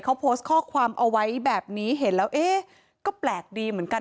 เขาโพสต์ข้อความเอาไว้แบบนี้เห็นแล้วเอ๊ะก็แปลกดีเหมือนกัน